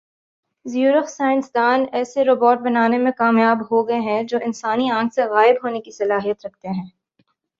Zurich science دان ایسے robot بنانے میں کامیاب ہوگئے ہیں جو انسانی آنکھ سے غائب ہونے کی صلاحیت رکھتے ہیں